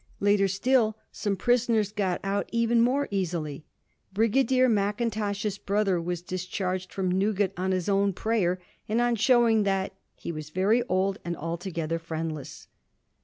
Later still some prisoners got out even more easily. Brigadier Mackintosh's brother was discharged from Newgate on his own prayer, and on showing that * he was very old, and altogether friendless.'